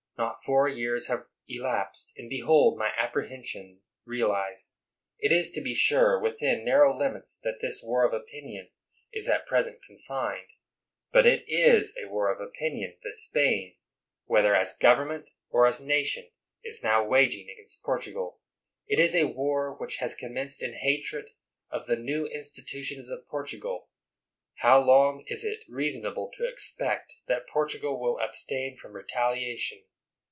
Not four years have elapsed, and behold my apprehension realized ! It is, to be sure, within narrow limits that this war of opinion is at present confined ; but it is a war of opinion that Spain (whether as government or as nation) is now waging against Portugal ; it is a war which has commenced in hatred of the new institu tions of Portugal. How long is it reasonable to expect that Portugal will abstain from retalia tion?